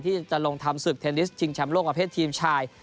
ที่จะลงทำศึกเทนนิสชิงแชมป์โลกประเภททีมชาย